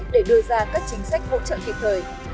để đưa ra các chính sách hỗ trợ kịp thời